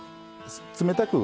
冷たく